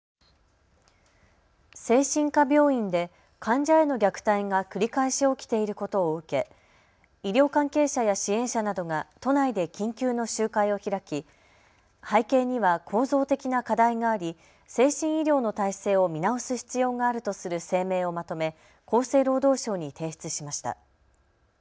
精神科病院で患者への虐待が繰り返し起きていることを受け医療関係者や支援者などが都内で緊急の集会を開き背景には構造的な課題があり精神医療の体制を見直す必要があるとする声明をまとめ厚生労働省に提出しました。